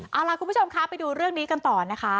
เอาล่ะคุณผู้ชมคะไปดูเรื่องนี้กันต่อนะคะ